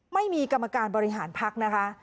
ไม่มีกรรมการบริหารพักนะคะ